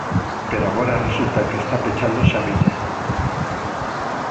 Pero agora resulta que está pechándose a billa.